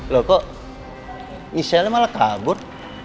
loh kok iselnya malah kabur